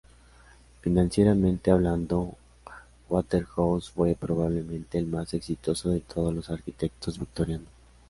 Financieramente hablando, Waterhouse fue probablemente el más exitoso de todos los arquitectos victorianos.